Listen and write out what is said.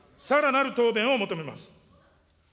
さらなる答弁を求めます。